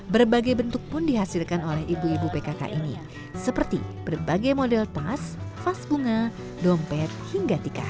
berbagai bentuk pun dihasilkan oleh ibu ibu pkk ini seperti berbagai model tas vas bunga dompet hingga tikar